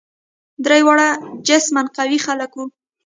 درې واړه جسما قوي خلک وه.